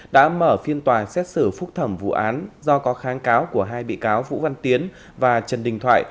đã mở phiên tòa xét xử phúc thẩm vụ án do có kháng cáo của hai bị cáo vũ văn tiến và trần đình thoại